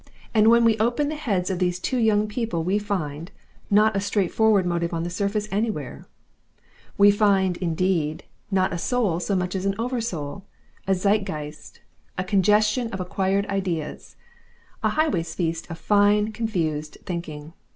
And when we open the heads of these two young people, we find, not a straightforward motive on the surface anywhere; we find, indeed, not a soul so much as an oversoul, a zeitgeist, a congestion of acquired ideas, a highway's feast of fine, confused thinking.